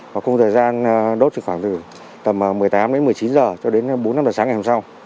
và khung thời gian đốt khoảng từ tầm một mươi tám đến một mươi chín giờ cho đến bốn năm sáng ngày hôm sau